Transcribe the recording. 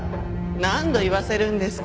何度言わせるんですか。